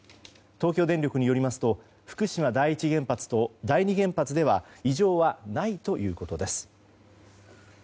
東京電力によりますと福島第一原発と第二原発では異常はないということです。